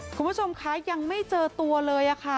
คุณผู้ชมคะยังไม่เจอตัวเลยค่ะ